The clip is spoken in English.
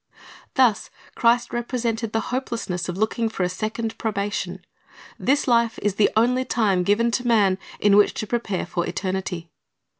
Thus Christ represented the hopelessness of looking for a second probation. This life is the only time given to man in which to prepare for eternity.